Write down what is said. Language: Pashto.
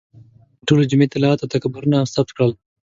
د ټولې جمعې تلاوت او تکبیرونه مې ثبت کړل.